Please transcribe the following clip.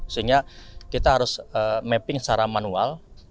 sehingga kita harus mapping secara manual